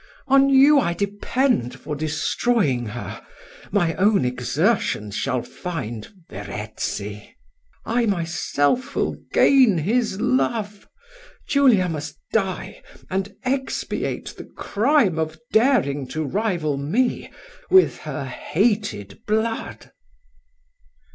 On you I depend for destroying her, my own exertions shall find Verezzi; I myself will gain his love Julia must die, and expiate the crime of daring to rival me, with her hated blood."